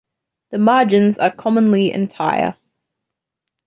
The margins are commonly entire.